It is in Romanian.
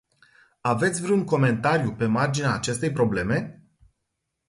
Aveți vreun comentariu pe marginea acestei probleme?